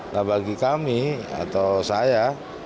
nah bagi kami atau saya